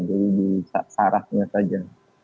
jadi disarahnya saja